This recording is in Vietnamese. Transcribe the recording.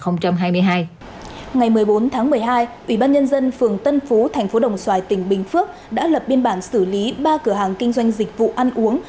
ngày một mươi bốn tháng một mươi hai ubnd phường tân phú tp đồng xoài tỉnh bình phước đã lập biên bản xử lý ba cửa hàng kinh doanh dịch vụ ăn uống